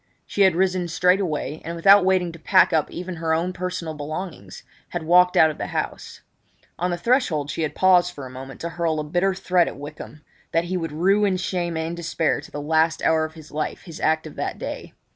She had risen straightway, and, without waiting to pack up even her own personal belongings, had walked out of the house. On the threshold she had paused for a moment to hurl a bitter threat at Wykham that he would rue in shame and despair to the last hour of his life his act of that day.